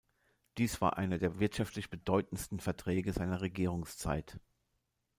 Dies war einer der wirtschaftlich bedeutendsten Verträge seiner Regierungszeit.